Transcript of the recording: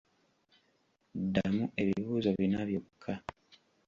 Ddamu ebibuuzo bina byokka.